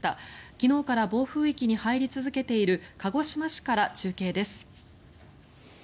昨日から暴風域に入り続けている鹿児島市から中継です。